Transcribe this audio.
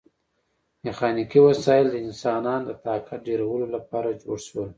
میخانیکي وسایل د انسانانو د طاقت ډیرولو لپاره جوړ شول.